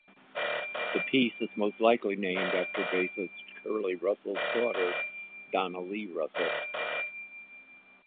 The piece is most likely named after bassist Curly Russell's daughter, Donna Lee Russell.